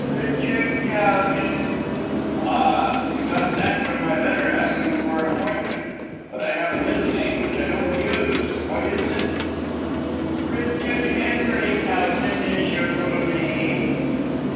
"Richard Towton." "Ah you got that from my letter asking for an appointment. But I have a middle name which I don't use. What is it?" "Richard Henry Towton is your full name."